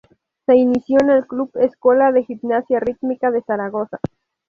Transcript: Se inició en el Club Escuela de Gimnasia Rítmica de Zaragoza.